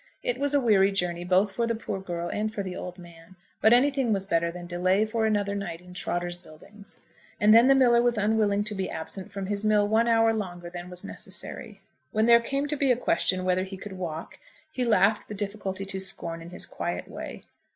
It was a weary journey both for the poor girl and for the old man; but anything was better than delay for another night in Trotter's Buildings. And then the miller was unwilling to be absent from his mill one hour longer than was necessary. When there came to be a question whether he could walk, he laughed the difficulty to scorn in his quiet way.